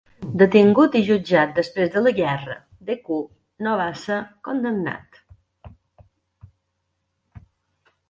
Detingut i jutjat després de la guerra, Decoux no va ser condemnat.